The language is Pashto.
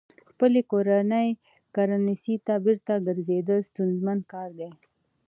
خپلې کورنۍ کرنسۍ ته بېرته ګرځېدل ستونزمن کار دی.